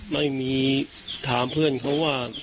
ไม่มีถามเพื่อนเขาว่า